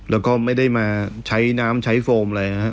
แล้วก็ไม่ได้มาใช้น้ำใช้โฟมอะไรนะครับ